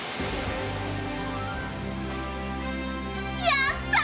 やった！